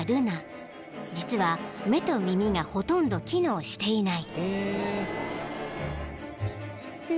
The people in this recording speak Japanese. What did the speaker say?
［実は目と耳がほとんど機能していない］